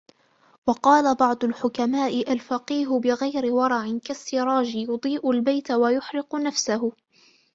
وَقَالَ بَعْضُ الْحُكَمَاءِ الْفَقِيهُ بِغَيْرِ وَرَعٍ كَالسِّرَاجِ يُضِيءُ الْبَيْتَ وَيُحْرِقُ نَفْسَهُ